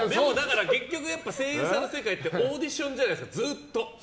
結局、声優さんの世界ってオーディションじゃないですかずっと。